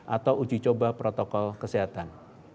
atau uji coba protokol kesehatan